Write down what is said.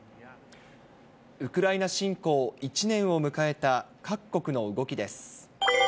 ウクライナ侵攻１年を迎えた各国の動きです。